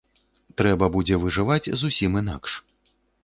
Трэба будзе выжываць зусім інакш.